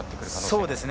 そうですね。